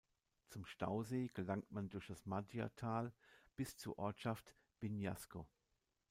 Zum Stausee gelangt man durch das Maggiatal bis zur Ortschaft Bignasco.